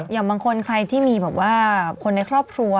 อย่างบางคนใครที่มีแบบว่าคนในครอบครัว